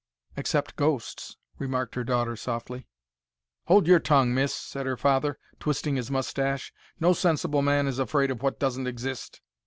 "Except ghosts," remarked her daughter, softly. "Hold your tongue, miss," said her father, twisting his moustache. "No sensible man is afraid of what doesn't exist."